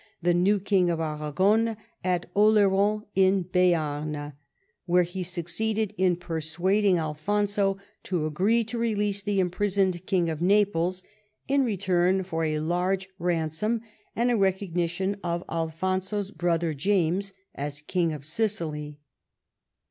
the new King of Aragon, at Oloron in Beam, where he succeeded in per suading Alfonso to agree to release the imprisoned King of Naples in return for a large ransom and a recognition of Alfonso's brother James as King of Sicily.